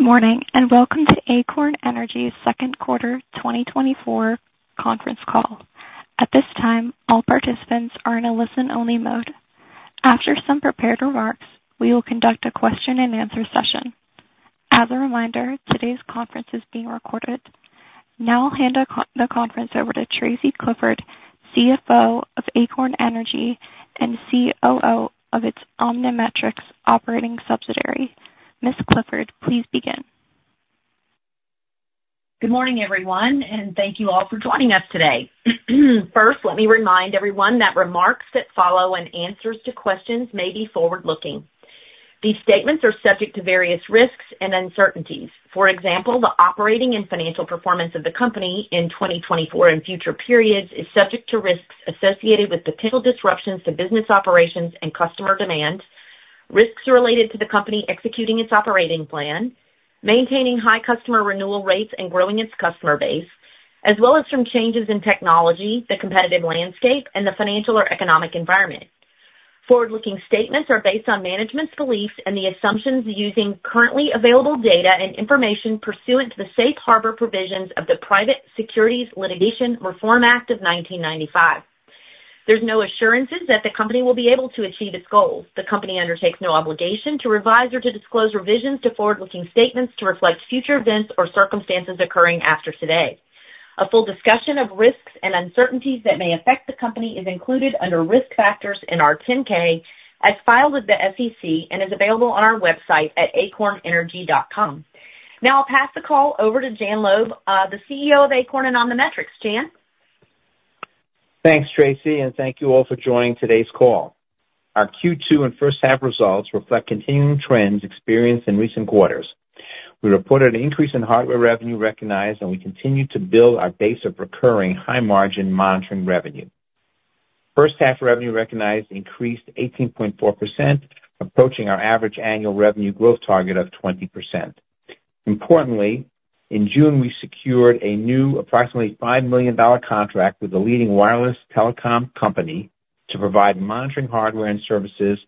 Good morning, and welcome to Acorn Energy's second quarter 2024 conference call. At this time, all participants are in a listen-only mode. After some prepared remarks, we will conduct a question-and-answer session. As a reminder, today's conference is being recorded. Now I'll hand the conference over to Tracy Clifford, CFO of Acorn Energy and COO of its OmniMetrix operating subsidiary. Ms. Clifford, please begin. Good morning, everyone, and thank you all for joining us today. First, let me remind everyone that remarks that follow and answers to questions may be forward-looking. These statements are subject to various risks and uncertainties. For example, the operating and financial performance of the company in 2024 and future periods is subject to risks associated with potential disruptions to business operations and customer demand, risks related to the company executing its operating plan, maintaining high customer renewal rates and growing its customer base, as well as from changes in technology, the competitive landscape, and the financial or economic environment. Forward-looking statements are based on management's beliefs and the assumptions using currently available data and information pursuant to the Safe Harbor provisions of the Private Securities Litigation Reform Act of 1995. There's no assurances that the company will be able to achieve its goals. The company undertakes no obligation to revise or to disclose revisions to forward-looking statements to reflect future events or circumstances occurring after today. A full discussion of risks and uncertainties that may affect the company is included under Risk Factors in our 10-K, as filed with the SEC, and is available on our website at acornenergy.com. Now I'll pass the call over to Jan Loeb, the CEO of Acorn and OmniMetrix. Jan? Thanks, Tracy, and thank you all for joining today's call. Our Q2 and first half results reflect continuing trends experienced in recent quarters. We reported an increase in hardware revenue recognized, and we continued to build our base of recurring high-margin monitoring revenue. First half revenue recognized increased 18.4%, approaching our average annual revenue growth target of 20%. Importantly, in June, we secured a new approximately $5 million contract with a leading wireless telecom company to provide monitoring hardware and services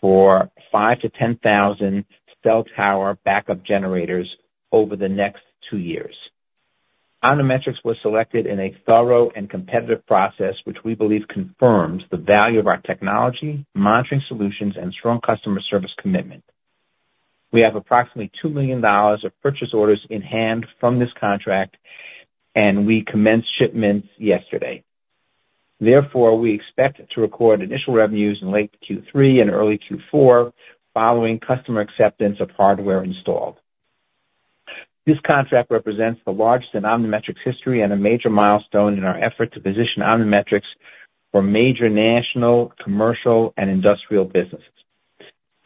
for 5,000-10,000 cell tower backup generators over the next two years. OmniMetrix was selected in a thorough and competitive process, which we believe confirms the value of our technology, monitoring solutions, and strong customer service commitment. We have approximately $2 million of purchase orders in hand from this contract, and we commenced shipments yesterday. Therefore, we expect to record initial revenues in late Q3 and early Q4, following customer acceptance of hardware installed. This contract represents the largest in OmniMetrix history and a major milestone in our effort to position OmniMetrix for major national, commercial, and industrial businesses.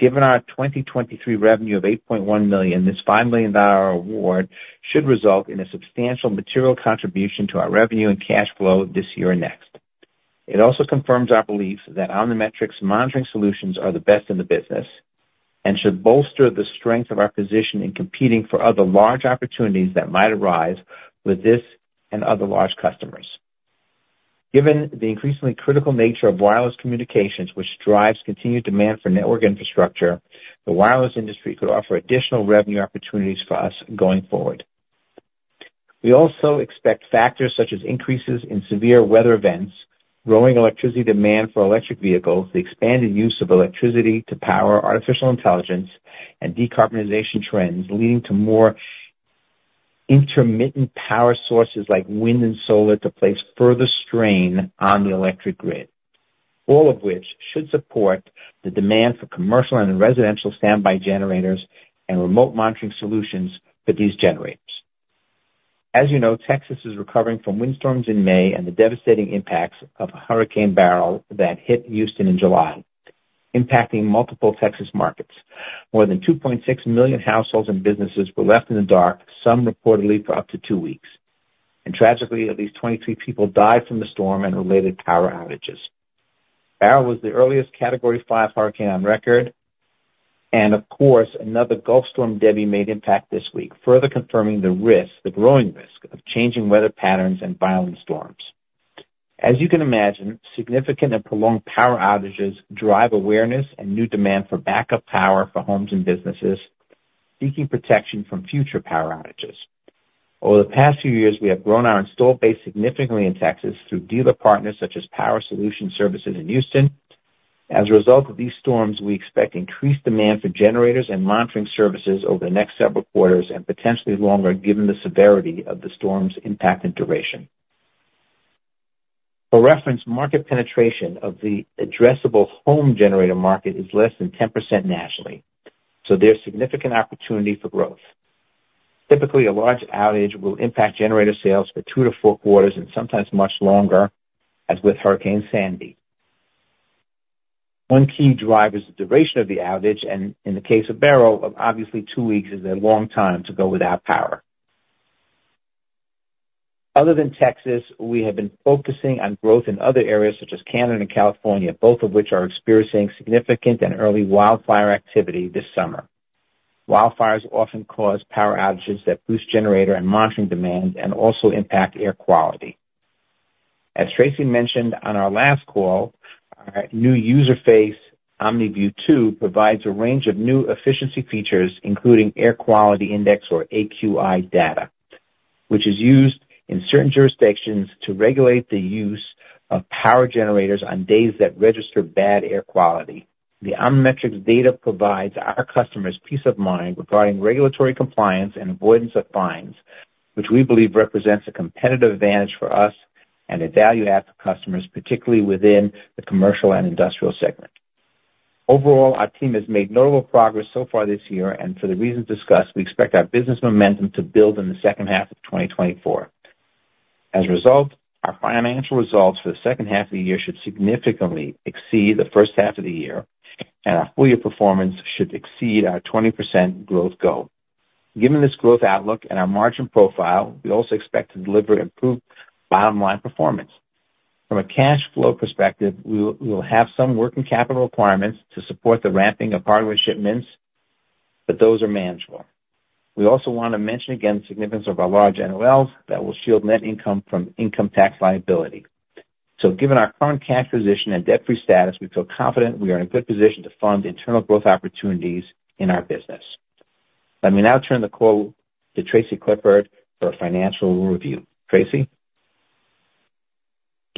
Given our 2023 revenue of $8.1 million, this $5 million award should result in a substantial material contribution to our revenue and cash flow this year and next. It also confirms our belief that OmniMetrix monitoring solutions are the best in the business and should bolster the strength of our position in competing for other large opportunities that might arise with this and other large customers. Given the increasingly critical nature of wireless communications, which drives continued demand for network infrastructure, the wireless industry could offer additional revenue opportunities for us going forward. We also expect factors such as increases in severe weather events, growing electricity demand for electric vehicles, the expanded use of electricity to power artificial intelligence, and decarbonization trends leading to more intermittent power sources like wind and solar, to place further strain on the electric grid. All of which should support the demand for commercial and residential standby generators and remote monitoring solutions for these generators. As you know, Texas is recovering from windstorms in May and the devastating impacts of Hurricane Beryl that hit Houston in July, impacting multiple Texas markets. More than 2.6 million households and businesses were left in the dark, some reportedly for up to two weeks. Tragically, at least 23 people died from the storm and related power outages. Beryl was the earliest Category 5 hurricane on record, and of course, another Gulf storm, Debby, made impact this week, further confirming the risk, the growing risk of changing weather patterns and violent storms. As you can imagine, significant and prolonged power outages drive awareness and new demand for backup power for homes and businesses seeking protection from future power outages. Over the past few years, we have grown our installed base significantly in Texas through dealer partners such as Power Solution Services in Houston. As a result of these storms, we expect increased demand for generators and monitoring services over the next several quarters and potentially longer, given the severity of the storm's impact and duration. For reference, market penetration of the addressable home generator market is less than 10% nationally, so there's significant opportunity for growth. Typically, a large outage will impact generator sales for 2-4 quarters and sometimes much longer, as with Hurricane Sandy. One key driver is the duration of the outage, and in the case of Beryl, obviously, 2 weeks is a long time to go without power. Other than Texas, we have been focusing on growth in other areas, such as Canada and California, both of which are experiencing significant and early wildfire activity this summer. Wildfires often cause power outages that boost generator and monitoring demand and also impact air quality. As Tracy mentioned on our last call, our new user interface, OmniView 2, provides a range of new efficiency features, including Air Quality Index, or AQI data, which is used in certain jurisdictions to regulate the use of power generators on days that register bad air quality. The OmniMetrix data provides our customers peace of mind regarding regulatory compliance and avoidance of fines, which we believe represents a competitive advantage for us and a value add for customers, particularly within the commercial and industrial segment. Overall, our team has made notable progress so far this year, and for the reasons discussed, we expect our business momentum to build in the second half of 2024. As a result, our financial results for the second half of the year should significantly exceed the first half of the year, and our full year performance should exceed our 20% growth goal. Given this growth outlook and our margin profile, we also expect to deliver improved bottom line performance. From a cash flow perspective, we will have some working capital requirements to support the ramping of hardware shipments, but those are manageable. We also want to mention again the significance of our large NOLs that will shield net income from income tax liability. So given our current cash position and debt-free status, we feel confident we are in a good position to fund internal growth opportunities in our business. Let me now turn the call to Tracy Clifford for a financial review. Tracy?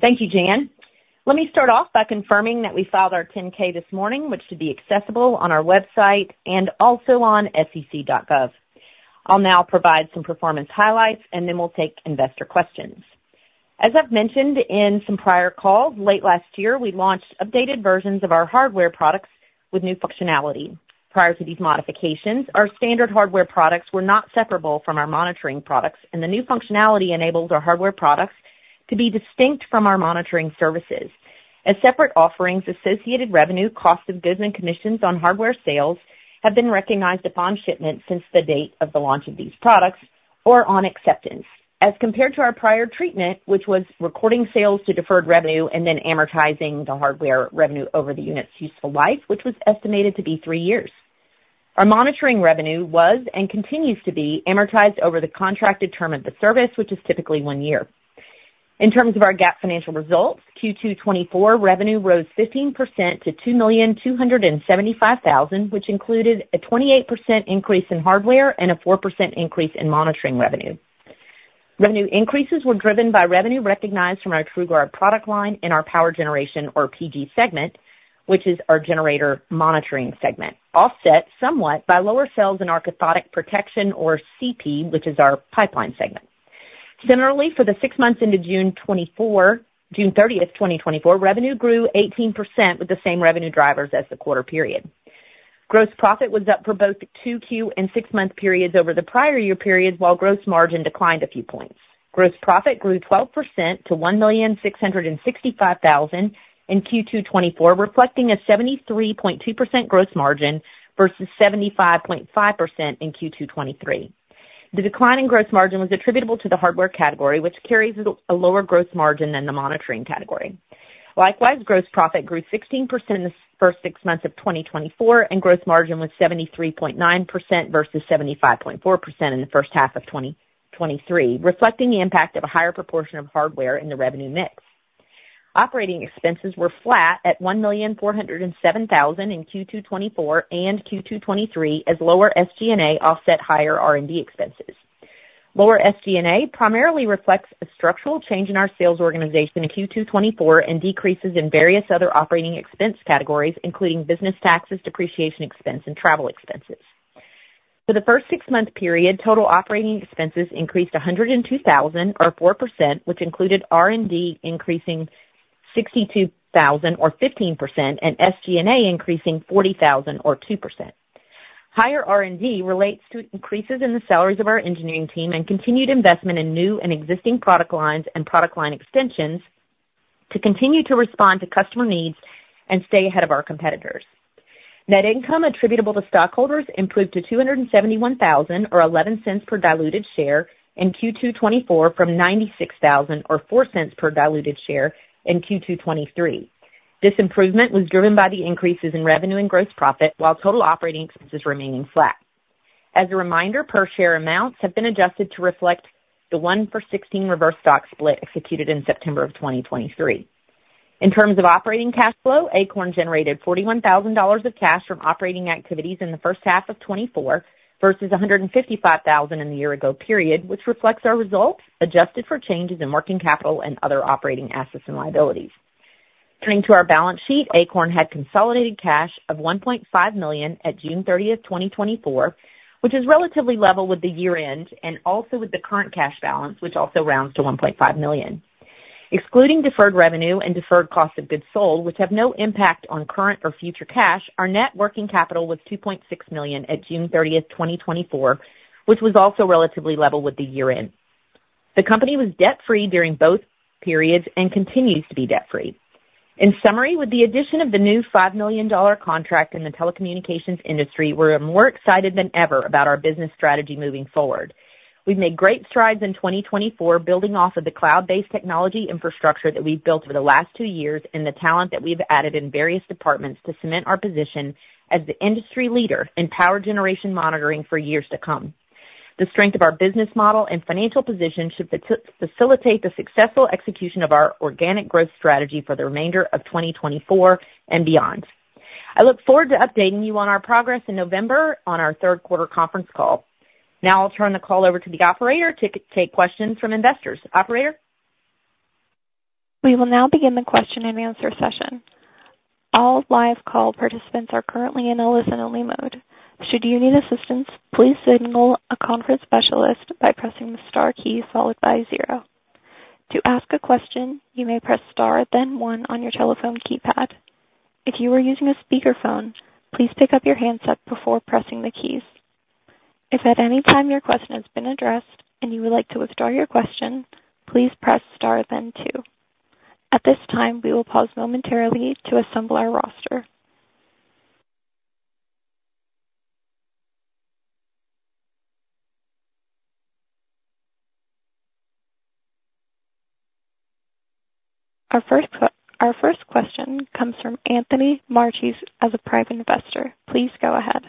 Thank you, Jan. Let me start off by confirming that we filed our 10-K this morning, which should be accessible on our website and also on SEC.gov. I'll now provide some performance highlights, and then we'll take investor questions. As I've mentioned in some prior calls, late last year, we launched updated versions of our hardware products with new functionality. Prior to these modifications, our standard hardware products were not separable from our monitoring products, and the new functionality enables our hardware products to be distinct from our monitoring services. As separate offerings, associated revenue, cost of goods and commissions on hardware sales have been recognized upon shipment since the date of the launch of these products or on acceptance, as compared to our prior treatment, which was recording sales to deferred revenue and then amortizing the hardware revenue over the unit's useful life, which was estimated to be three years. Our monitoring revenue was, and continues to be, amortized over the contracted term of the service, which is typically one year. In terms of our GAAP financial results, Q2 2024 revenue rose 15% to $2,275,000, which included a 28% increase in hardware and a 4% increase in monitoring revenue. Revenue increases were driven by revenue recognized from our TrueGuard product line in our power generation, or PG segment, which is our generator monitoring segment, offset somewhat by lower sales in our Cathodic Protection, or CP, which is our pipeline segment. Similarly, for the six months into June 2024, June 30, 2024, revenue grew 18%, with the same revenue drivers as the quarter period. Gross profit was up for both the Q2 and six-month periods over the prior year period, while gross margin declined a few points. Gross profit grew 12% to $1,665,000 in Q2 2024, reflecting a 73.2% gross margin versus 75.5% in Q2 2023. The decline in gross margin was attributable to the hardware category, which carries a lower gross margin than the monitoring category. Likewise, gross profit grew 16% in the first six months of 2024, and gross margin was 73.9% versus 75.4% in the first half of 2023, reflecting the impact of a higher proportion of hardware in the revenue mix. Operating expenses were flat at $1,407,000 in Q2 2024 and Q2 2023, as lower SG&A offset higher R&D expenses. Lower SG&A primarily reflects a structural change in our sales organization in Q2 2024 and decreases in various other operating expense categories, including business taxes, depreciation expense, and travel expenses. For the first six-month period, total operating expenses increased $102,000 or 4%, which included R&D, increasing $62,000 or 15% and SG&A increasing $40,000 or 2%. Higher R&D relates to increases in the salaries of our engineering team and continued investment in new and existing product lines and product line extensions to continue to respond to customer needs and stay ahead of our competitors. Net income attributable to stockholders improved to $271,000 or $0.11 per diluted share in Q2 2024 from $96,000 or $0.04 per diluted share in Q2 2023. This improvement was driven by the increases in revenue and gross profit, while total operating expenses remaining flat. As a reminder, per share amounts have been adjusted to reflect the 1-for-16 reverse stock split executed in September 2023. In terms of operating cash flow, Acorn generated $41,000 of cash from operating activities in the first half of 2024, versus $155,000 in the year ago period, which reflects our results, adjusted for changes in working capital and other operating assets and liabilities. Turning to our balance sheet, Acorn had consolidated cash of $1.5 million at June thirtieth, 2024, which is relatively level with the year-end and also with the current cash balance, which also rounds to $1.5 million. Excluding deferred revenue and deferred cost of goods sold, which have no impact on current or future cash, our net working capital was $2.6 million at June thirtieth, 2024, which was also relatively level with the year-end. The company was debt free during both periods and continues to be debt free. In summary, with the addition of the new $5 million contract in the telecommunications industry, we're more excited than ever about our business strategy moving forward. We've made great strides in 2024, building off of the cloud-based technology infrastructure that we've built over the last two years and the talent that we've added in various departments to cement our position as the industry leader in power generation monitoring for years to come. The strength of our business model and financial position should facilitate the successful execution of our organic growth strategy for the remainder of 2024 and beyond. I look forward to updating you on our progress in November on our third quarter conference call. Now I'll turn the call over to the operator to take questions from investors. Operator? We will now begin the question and answer session. All live call participants are currently in a listen-only mode. Should you need assistance, please signal a conference specialist by pressing the star key followed by zero. To ask a question, you may press star, then one on your telephone keypad. If you are using a speakerphone, please pick up your handset before pressing the keys. If at any time your question has been addressed and you would like to withdraw your question, please press star, then two. At this time, we will pause momentarily to assemble our roster. Our first question comes from Anthony Mattis, as a private investor. Please go ahead.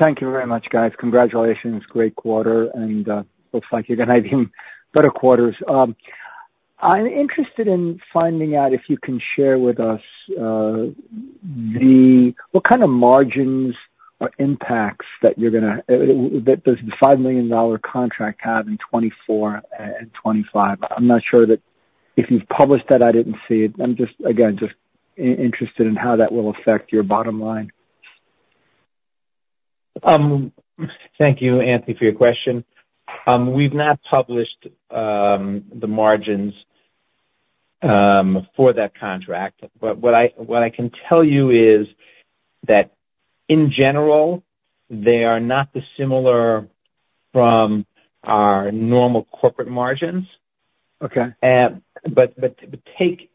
Thank you very much, guys. Congratulations. Great quarter, and looks like you're going to have even better quarters. I'm interested in finding out if you can share with us what kind of margins or impacts that you're gonna this $5 million contract have in 2024 and 2025? I'm not sure if you've published that, I didn't see it. I'm just again interested in how that will affect your bottom line. Thank you, Anthony, for your question. We've not published the margins for that contract, but what I can tell you is that in general, they are not dissimilar from our normal corporate margins. Okay. But take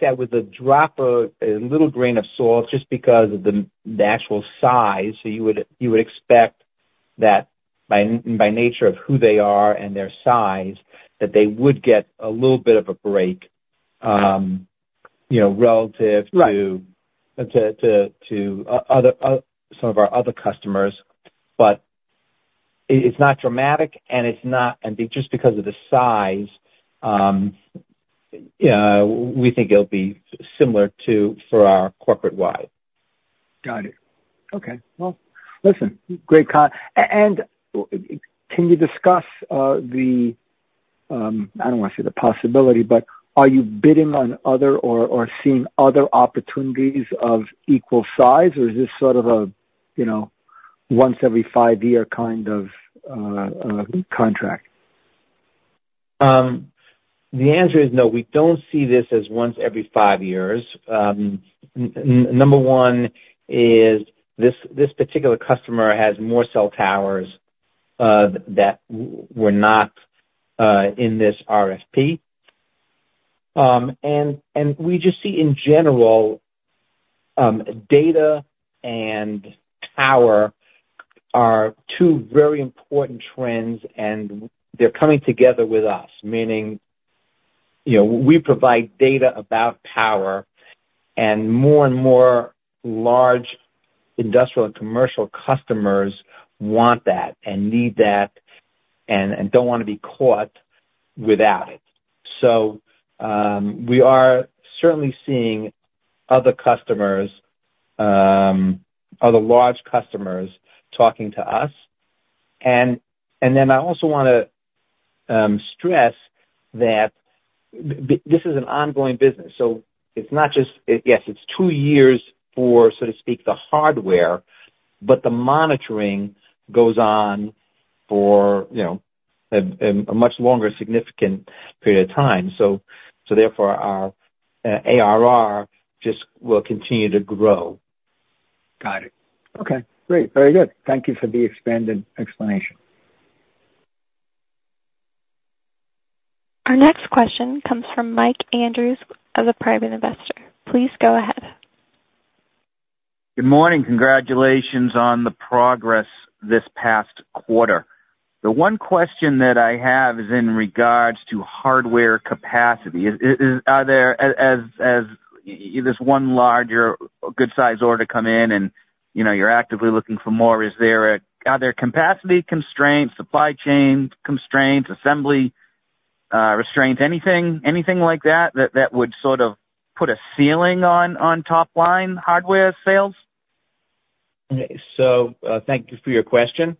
that with a drop of a little grain of salt, just because of the natural size. So you would expect that by nature of who they are and their size, that they would get a little bit of a break, you know, relative- Right. to other, some of our other customers. But it's not dramatic, and it's not, and just because of the size, we think it'll be similar to for our corporate wide. Got it. Okay, well, listen, great. And can you discuss the, I don't want to say the possibility, but are you bidding on other or seeing other opportunities of equal size? Or is this sort of a, you know, once every 5-year kind of contract? The answer is no, we don't see this as once every five years. Number one is this, this particular customer has more cell towers that were not in this RFP. And we just see in general, data and power are two very important trends, and they're coming together with us. Meaning, you know, we provide data about power, and more and more large industrial and commercial customers want that and need that, and don't want to be caught without it. So, we are certainly seeing other customers, other large customers talking to us. And then I also want to stress that this is an ongoing business, so it's not just yes, it's two years for, so to speak, the hardware, but the monitoring goes on for, you know, a much longer significant period of time. Therefore, our ARR just will continue to grow. Got it. Okay, great. Very good. Thank you for the expanded explanation. Our next question comes from Mike Andrews of the Private Investor. Please go ahead. Good morning. Congratulations on the progress this past quarter. The one question that I have is in regards to hardware capacity. Is there, as this one larger, good size order come in and, you know, you're actively looking for more, are there capacity constraints, supply chain constraints, assembly restraints, anything like that that would sort of put a ceiling on top line hardware sales? So thank you for your question.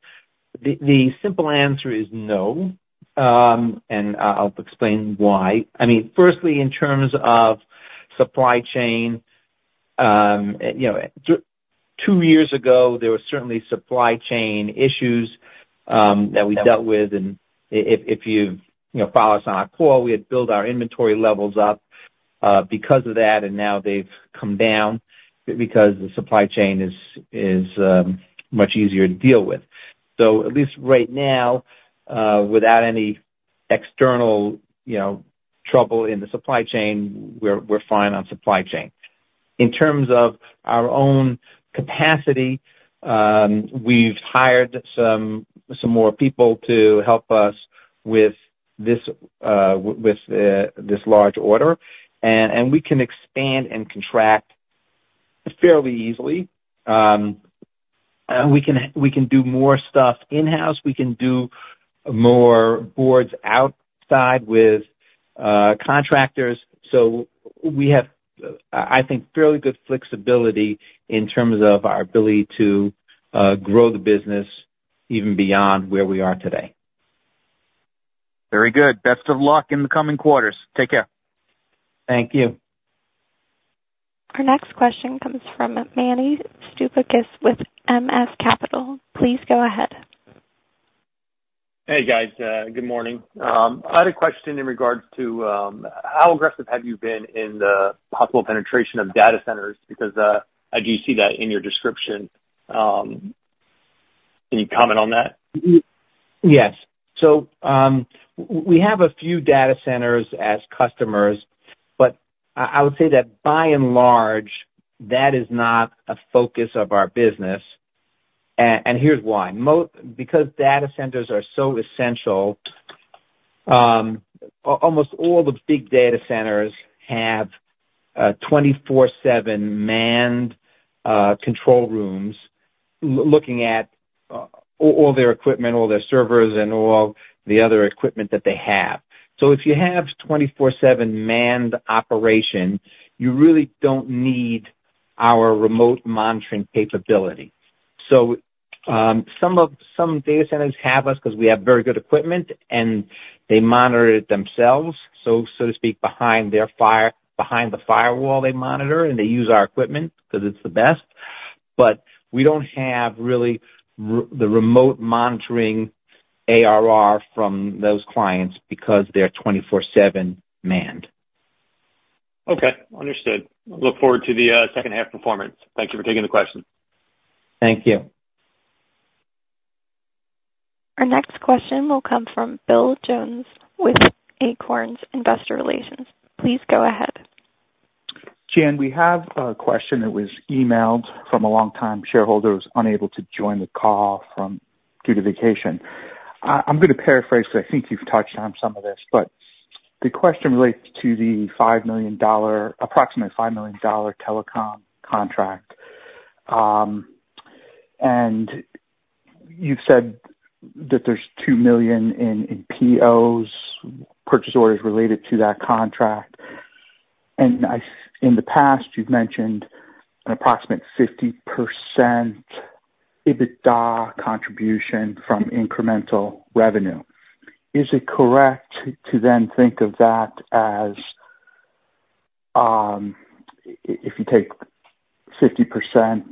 The simple answer is no, and I'll explain why. I mean, firstly, in terms of supply chain, you know, two years ago, there were certainly supply chain issues that we dealt with, and if you know, follow us on our call, we had built our inventory levels up because of that, and now they've come down because the supply chain is much easier to deal with. So at least right now, without any external, you know, trouble in the supply chain, we're fine on supply chain. In terms of our own capacity, we've hired some more people to help us with this with this large order, and we can expand and contract fairly easily. And we can do more stuff in-house. We can do more boards outside with contractors. So we have, I think, fairly good flexibility in terms of our ability to grow the business even beyond where we are today. Very good. Best of luck in the coming quarters. Take care. Thank you. Our next question comes from Manny Stupakis with MS Capital. Please go ahead. Hey, guys, good morning. I had a question in regards to how aggressive have you been in the possible penetration of data centers? Because, I do see that in your description. Any comment on that? Yes. So, we have a few data centers as customers, but I would say that by and large, that is not a focus of our business and here's why: because data centers are so essential, almost all the big data centers have 24/7 manned control rooms looking at all their equipment, all their servers, and all the other equipment that they have. So if you have 24/7 manned operation, you really don't need our remote monitoring capability. So, some data centers have us, 'cause we have very good equipment, and they monitor it themselves, so to speak, behind the firewall, they monitor, and they use our equipment because it's the best, but we don't have really the remote monitoring ARR from those clients because they're 24/7 manned. Okay, understood. Look forward to the second half performance. Thank you for taking the question. Thank you. Our next question will come from Bill Jones with Acorn's Investor Relations. Please go ahead. Jan, we have a question that was emailed from a longtime shareholder who was unable to join the call due to vacation. I'm gonna paraphrase, because I think you've touched on some of this, but the question relates to the approximately $5 million telecom contract. And you've said that there's $2 million in POs, purchase orders, related to that contract, and in the past, you've mentioned an approximate 50% EBITDA contribution from incremental revenue. Is it correct to then think of that as if you take 50%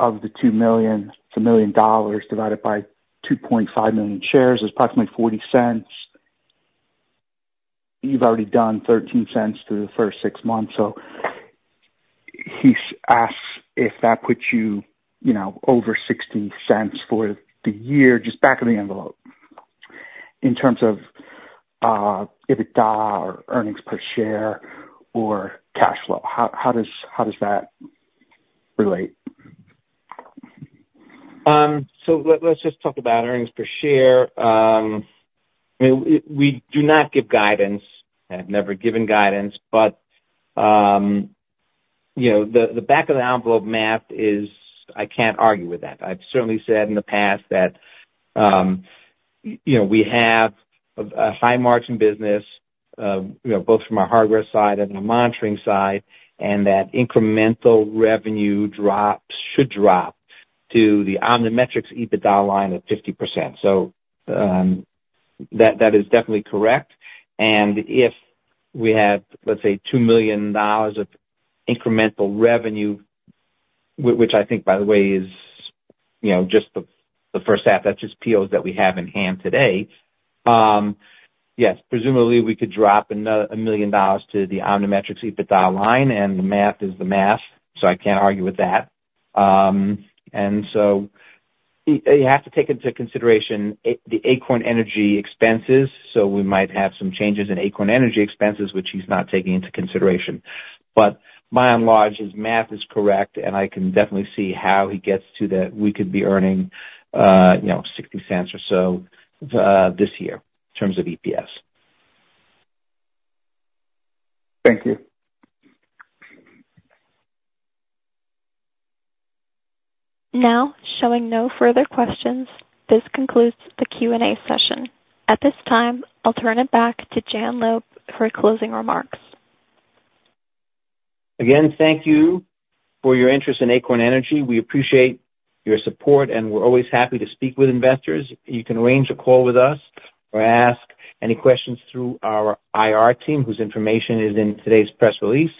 of the $2 million, it's $1 million, divided by 2.5 million shares, is approximately $0.40. You've already done $0.13 through the first six months, so he asks if that puts you, you know, over $0.60 for the year, just back of the envelope, in terms of EBITDA or earnings per share or cash flow. How does that relate? So let's just talk about earnings per share. I mean, we do not give guidance, have never given guidance, but, you know, the back-of-the-envelope math is... I can't argue with that. I've certainly said in the past that, you know, we have a high margin business, you know, both from our hardware side and our monitoring side, and that incremental revenue drops, should drop to the OmniMetrix EBITDA line at 50%. So, that is definitely correct. And if we have, let's say, $2 million of incremental revenue, which I think, by the way, is, you know, just the first half, that's just POs that we have in hand today. Yes, presumably we could drop another $1 million to the OmniMetrix EBITDA line, and the math is the math, so I can't argue with that. And so you have to take into consideration the Acorn Energy expenses, so we might have some changes in Acorn Energy expenses, which he's not taking into consideration. But by and large, his math is correct, and I can definitely see how he gets to that we could be earning, you know, $0.60 or so this year in terms of EPS. Thank you. Now, showing no further questions, this concludes the Q&A session. At this time, I'll turn it back to Jan Loeb for closing remarks. Again, thank you for your interest in Acorn Energy. We appreciate your support, and we're always happy to speak with investors. You can arrange a call with us or ask any questions through our IR team, whose information is in today's press release.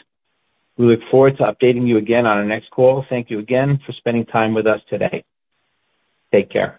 We look forward to updating you again on our next call. Thank you again for spending time with us today. Take care.